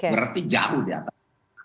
berarti jauh di atas